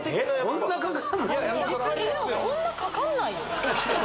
こんなかかんないよ